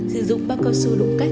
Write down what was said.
sử dụng bao cơ sư đúng cách